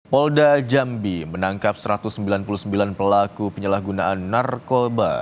polda jambi menangkap satu ratus sembilan puluh sembilan pelaku penyalahgunaan narkoba